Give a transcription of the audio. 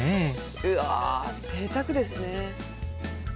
うわぜいたくですね。